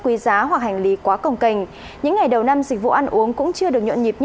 khỏe hoặc hành lý quá cồng kềnh những ngày đầu năm dịch vụ ăn uống cũng chưa được nhộn nhịp như